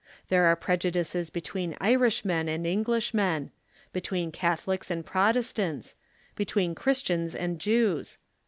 There are prejudices between Irishmen and Englishmen ; between Catholics and Pro testants ; between Christians and Jews.